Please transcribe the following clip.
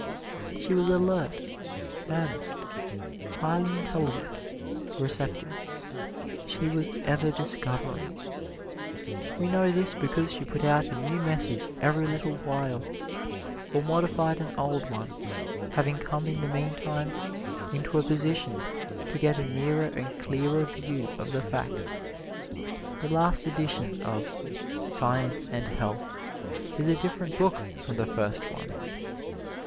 She was alert, earnest, highly intelligent, receptive. She was ever discovering. We know this because she put out a new message every little while, or modified an old one, having come in the meantime into a position to get a nearer and clearer view of the fact. The last edition of "Science and Health" is a different book from the first one.